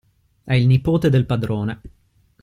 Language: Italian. È il nipote del padrone.